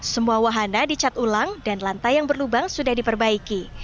semua wahana dicat ulang dan lantai yang berlubang sudah diperbaiki